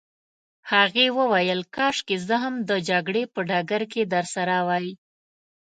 هغې وویل: کاشکې زه هم د جګړې په ډګر کي درسره وای.